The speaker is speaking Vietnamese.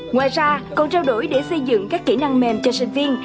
ngoài ra còn trao đổi để xây dựng các kỹ năng mềm cho sinh viên